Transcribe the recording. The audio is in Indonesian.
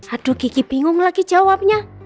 aduh gigi bingung lagi jawabnya